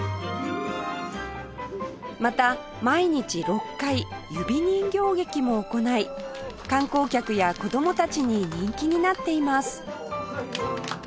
また毎日６回指人形劇も行い観光客や子供たちに人気になっています